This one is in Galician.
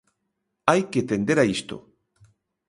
Hai que tender a isto.